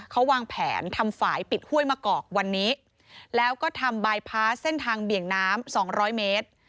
เขาวางแผนทำฝ่ายปิดห้วยมะกอกวันนี้แล้วก็ทำบายพาสเส้นทางเบี่ยงน้ำสองร้อยเมตร